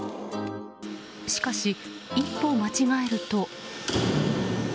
しかし一歩間違えると。